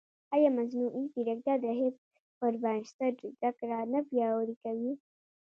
ایا مصنوعي ځیرکتیا د حفظ پر بنسټ زده کړه نه پیاوړې کوي؟